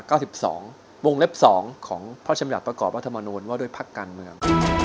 การแลบสองของพระชามินตรประกอบวัฒนธรรมนุนว่าด้วยภาคการเมือง